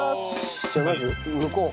じゃあまずむこう。